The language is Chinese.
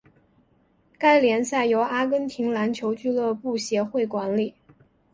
该联赛由阿根廷篮球俱乐部协会管理。